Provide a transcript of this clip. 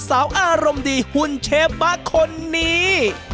สาวอารมณ์ดีหุ่นเชฟบะคนนี้